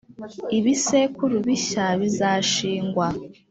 ibisekuru bishya bizashingwa.